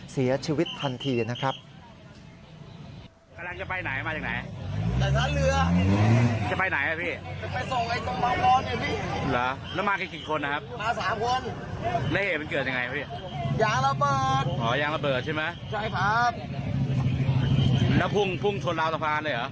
เสียชีวิตทันทีนะครับ